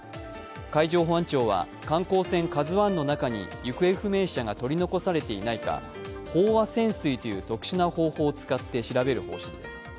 海上保安庁は観光船「ＫＡＺＵⅠ」の中に行方不明者が取り残されていないか飽和潜水という特殊な方法を使って調べる方針です。